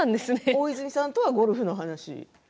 大泉さんとはゴルフの話？